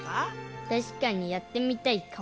たしかにやってみたいかも。